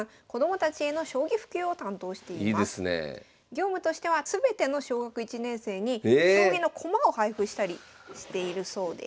業務としては全ての小学１年生に将棋の駒を配布したりしているそうです。